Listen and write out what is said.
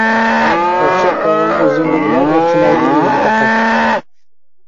ئوخشاپ قالغان ئۆزگىگە ئۇلار، ئوخشىمايدۇ ئۆزىگە پەقەت.